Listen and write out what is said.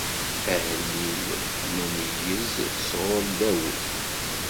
Ahellil n umeyyez, sɣur Dawed.